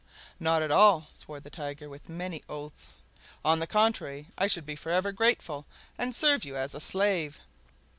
"Not at all!" swore the Tiger with many oaths; "on the contrary, I should be forever grateful, and serve you as a slave!"